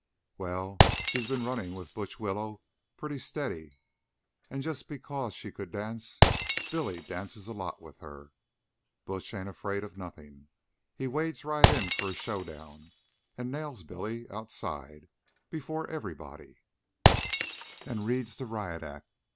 "Well, she'd been runnin' with Butch Willows pretty steady, an' just because she could dance, Billy dances a lot with her. Butch ain't afraid of nothin'. He wades right in for a showdown, an' nails Billy outside, before everybody, an' reads the riot act.